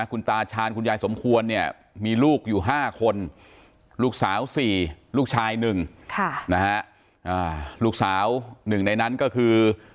คุณตาชาญคุณยายสมควรเนี่ยมีลูกอยู่๕คนลูกสาว๔ลูกชาย๑นะฮะลูกสาวหนึ่งในนั้นก็คือ